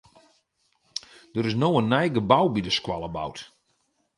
Der is no in nij gebou by de skoalle boud.